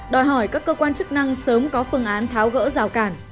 đòi hỏi các cơ quan chức năng sớm có phương án tháo gỡ rào cản